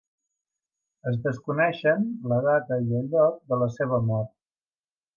Es desconeixen la data i el lloc de la seva mort.